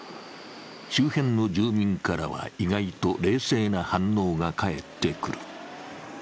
周辺の住民からは意外と冷静な反応が返ってくる。